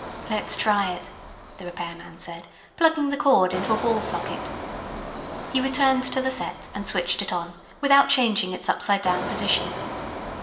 "Let's try it," the repairman said, plugging the cord into a wall socket. He returned to the set, and switched it on, without changing its upside down position.